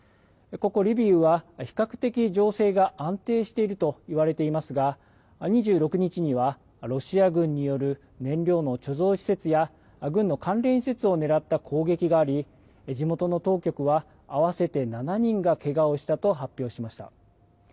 ここ、リビウは比較的情勢が安定しているといわれていますが、２６日には、ロシア軍による燃料の貯蔵施設や、軍の関連施設を狙った攻撃があり、地元の当局は、合わせて７人がけがをしたと発表しました。